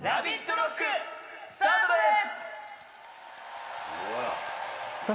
ＲＯＣＫスタートです！